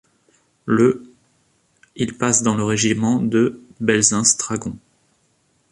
Le il passe dans le régiment de belzunce-dragons.